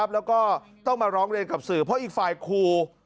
แล้วก็ต้องมาร้องเรียนกับสื่อเพราะอีกฝ่ายครู